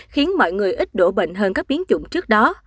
khiến mọi người ít đổ bệnh hơn các biến chủng trước đó